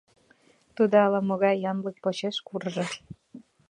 — Тудо ала-могай янлык почеш куржо.